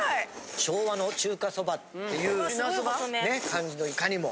昭和の中華そばっていうね感じのいかにも。